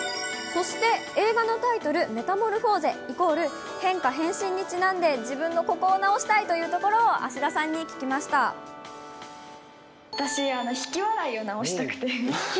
そして映画のタイトル、メタモルフォーゼイコール、変化・変身にちなんで、自分のここを直したいというところを芦田私、引き笑い？